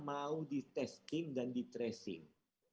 mau di testing dan di tracing